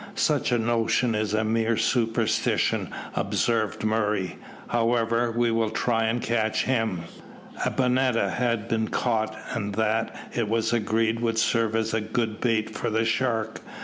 "Such a notion is a mere superstition," observed Murray. "However, we will try and catch him." A bonetta had just been caught, and that, it was agreed, would serve as a good bait for the shark.